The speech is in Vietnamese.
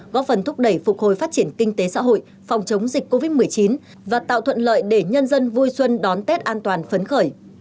góp phần thúc đẩy phục hồi phát triển kinh tế xã hội phòng chống dịch covid một mươi chín và tạo thuận lợi để nhân dân vui xuân đón tết an toàn phấn khởi